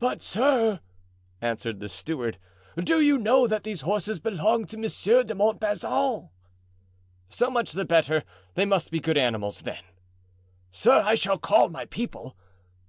"But, sir," answered the steward, "do you know that these horses belong to Monsieur de Montbazon?" "So much the better; they must be good animals, then." "Sir, I shall call my people."